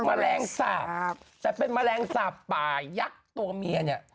มะแรงสาบแต่เป็นมะแรงสาบป่ายักษ์ตัวเมียนี่